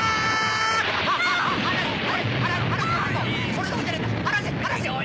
それどころじゃねえんだ！